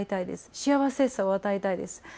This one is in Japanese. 幸せさを与えたいです。